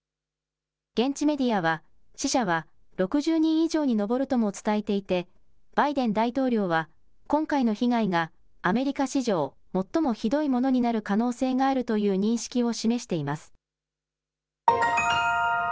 現地メディアは、死者は６０人以上に上るとも伝えていて、バイデン大統領は、今回の被害がアメリカ史上最もひどいものになる可能性があるという認識を示しています。